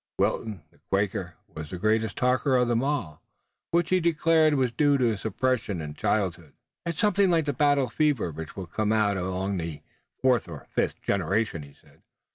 Wilton, the Quaker, was the greatest talker of them all, which he declared was due to suppression in childhood. "It's something like the battle fever which will come out along about the fourth or fifth generation," he said.